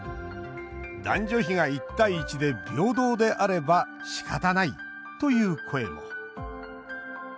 「男女比が１：１で平等であればしかたない」という声も。